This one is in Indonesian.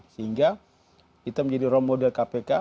sehingga kita menjadi role model kpk